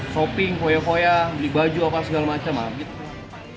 shopping foya foya beli baju apa segala macam abit